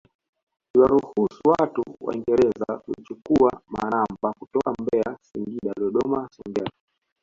Iliwaruhusu watu waingereza kuichukua manamba kutoka Mbeya Singida Dodoma Songea